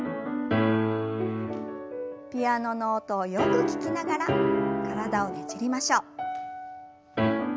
ピアノの音をよく聞きながら体をねじりましょう。